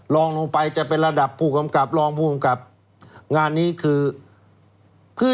ลองลงไปจะเป็นระดับผู้กำกับรองผู้กำกับงานนี้คือเพื่อ